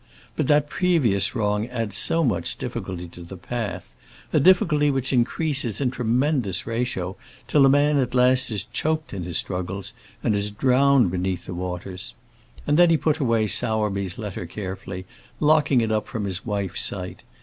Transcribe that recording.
But that previous wrong adds so much difficulty to the path a difficulty which increases in tremendous ratio, till a man at last is choked in his struggling, and is drowned beneath the waters. And then he put away Sowerby's letter carefully, locking it up from his wife's sight.